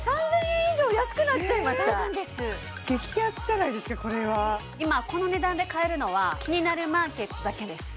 ３０００円以上安くなっちゃいましたそうなんです激安じゃないですかこれは今この値段で買えるのは「キニナルマーケット」だけです